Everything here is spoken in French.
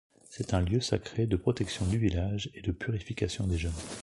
C’est un lieu sacré de protection du village et de purification des jeunes.